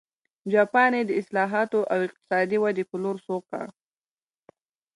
جاپان یې د اصلاحاتو او اقتصادي ودې په لور سوق کړ.